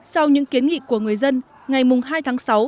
sau những kiến nghị của người dân ngày hai tháng sáu